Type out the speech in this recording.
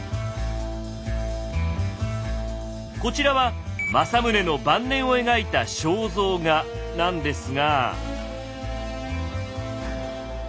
こちらは政宗の晩年を描いた肖像画なんですが。